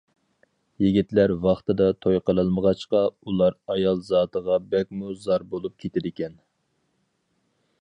يىگىتلەر ۋاقتىدا توي قىلالمىغاچقا ئۇلار ئايال زاتىغا بەكمۇ زار بولۇپ كېتىدىكەن.